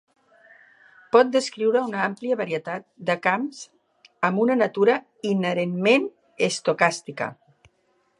Pot descriure una amplia varietat de camps amb una natura inherentment estocàstica.